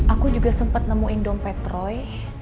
aku juga sempat nemuin dompet roy